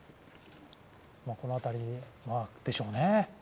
この辺りでしょうね。